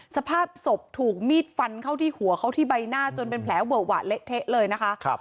สภาพศพถูกมีดฟันเข้าที่หัวเขาที่ใบหน้าจนเป็นแผลเวอะหวะเละเทะเลยนะคะ